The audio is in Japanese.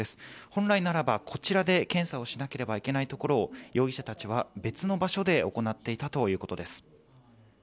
本来ならばこちらで検査をしなければいけないところを容疑者たちは、別の場所で行っていたということです。